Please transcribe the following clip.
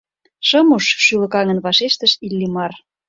— Шым уж, — шӱлыкаҥын вашештыш Иллимар.